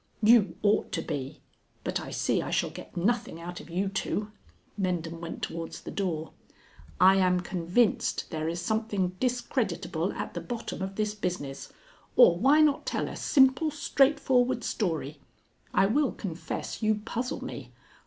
"You ought to be. But I see I shall get nothing out of you two." Mendham went towards the door. "I am convinced there is something discreditable at the bottom of this business. Or why not tell a simple straightforward story? I will confess you puzzle me.